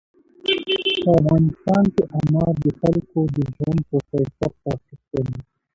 په افغانستان کې انار د خلکو د ژوند په کیفیت تاثیر کوي.